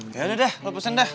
ya udah deh lo pesen dah